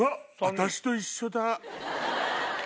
私と一緒だ。